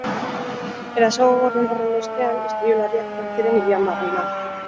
Eraso gogor horren ostean istilu larriak izan ziren hirian barrena.